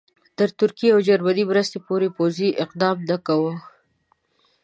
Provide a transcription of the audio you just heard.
تر ترکیې او جرمني مرستې پورې پوځي اقدام نه کوي.